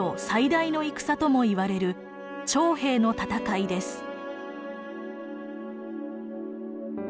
最大の戦ともいわれる長平の戦いです。